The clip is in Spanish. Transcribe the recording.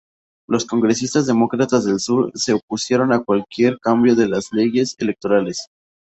Los congresistas demócratas del sur se opusieron a cualquier cambio en las leyes electorales.